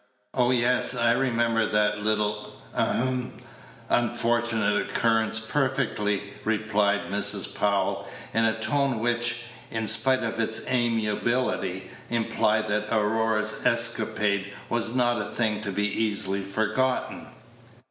"Oh, yes, I remember that little ahem unfortunate occurrence perfectly," replied Mrs. Powell, in a tone which, in spite of its amiability, implied that Aurora's escapade was not a thing to be easily forgotten.